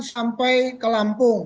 sampai ke lampung